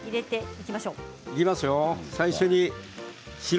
いきますよ